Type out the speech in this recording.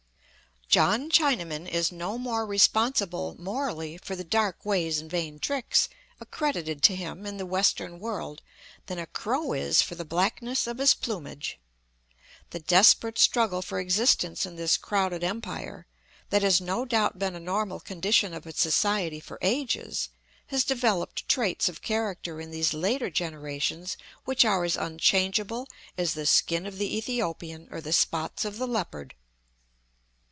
John Chinaman is no more responsible, morally, for the "dark ways and vain tricks" accredited to him in the Western World than a crow is for the blackness of his plumage. The desperate struggle for existence in this crowded empire, that has no doubt been a normal condition of its society for ages, has developed traits of character in these later generations which are as unchangeable as the skin of the Ethiopian or the spots of the leopard.